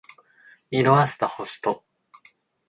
色褪せた星と